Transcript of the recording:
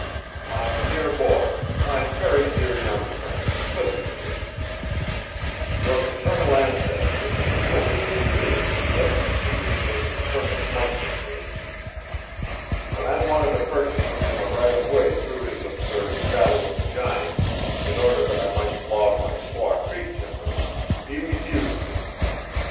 "My dear boy, my very dear young friend, listen to me. Your paternal ancestor is the only human being who has ever succeeded in making a perfect monkey of me. When I wanted to purchase from him a right of way through his absurd Valley of the Giants, in order that I might log my Squaw Creek timber, he refused me.